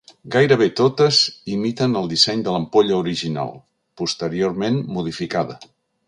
Gairebé totes imiten el disseny de l'ampolla original, posteriorment modificada.